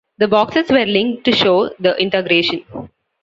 The boxes were linked to show the integration.